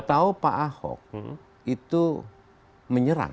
atau pak ahok itu menyerang